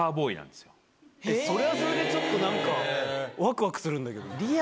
それはそれでちょっとなんかワクワクするんだけど。